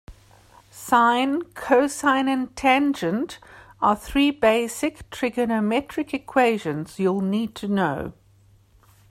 Sine, cosine and tangent are three basic trigonometric equations you'll need to know.